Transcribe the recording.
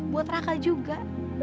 buat raka juga